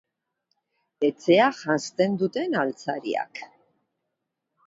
Etxea janzten duten altzariak.